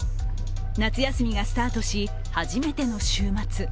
夏休みがスタートし初めての週末。